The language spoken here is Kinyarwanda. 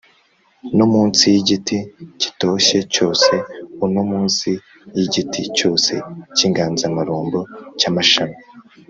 No munsi y igiti gitoshye cyose u no munsi y igiti cyose cy inganzamarumbo cy amashami